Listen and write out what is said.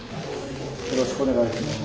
よろしくお願いします。